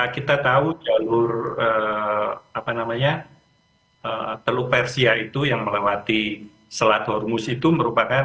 kita tahu jalur teluk persia itu yang melewati selat hormus itu merupakan